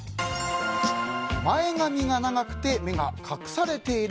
前髪が長くて目が隠されている。